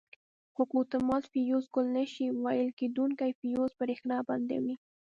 خو که اتومات فیوز ګل نه شي ویلې کېدونکي فیوز برېښنا بندوي.